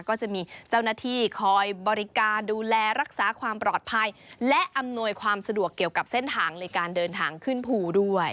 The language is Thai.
ก็จะมีเจ้าหน้าที่คอยบริการดูแลรักษาความปลอดภัยและอำนวยความสะดวกเกี่ยวกับเส้นทางในการเดินทางขึ้นภูด้วย